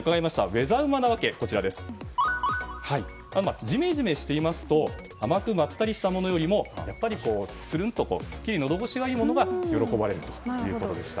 ウェザうまなわけはジメジメしていますと甘くまったりしたものよりもすっきり、のど越しがいいものが喜ばれるということでした。